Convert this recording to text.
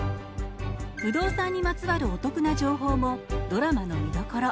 不動産にまつわるお得な情報もドラマの見どころ。